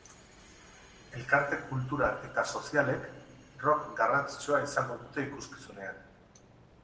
Elkarte kultural eta sozialek rok garrantzitsua izango dute ikuskizunean.